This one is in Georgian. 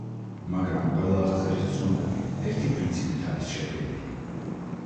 მაგრამ ყველა აღწერის ცნობები ერთი პრინციპით არ არის შედგენილი.